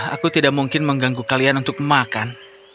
aku tidak mungkin mengganggu kalian untuk makan